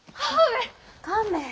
亀。